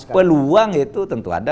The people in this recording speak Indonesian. peluang itu tentu ada